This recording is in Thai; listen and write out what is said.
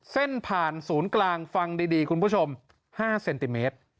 เส้นผ่านศูนย์กลางฟังดีคุณผู้ชม๕เซนติเมตร